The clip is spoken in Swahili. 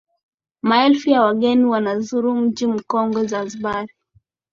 Maelfu ya wageni wanazuru Mji Mkongwe Zanzibar